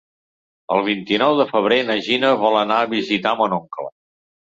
El vint-i-nou de febrer na Gina vol anar a visitar mon oncle.